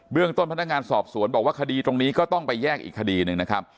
เรื่องต้นพนักงานสอบสวนบอกว่าคดีตรงนี้ก็ต้องไปแยกอีกคดีหนึ่งนะครับ